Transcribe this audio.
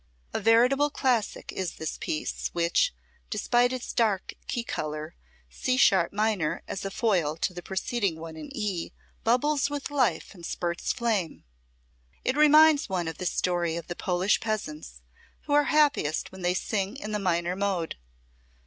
A veritable classic is this piece, which, despite its dark key color, C sharp minor as a foil to the preceding one in E, bubbles with life and spurts flame. It reminds one of the story of the Polish peasants, who are happiest when they sing in the minor mode.